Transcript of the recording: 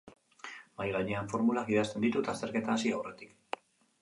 Mahaigainean formulak idazten ditut azterketa hasi aurretik.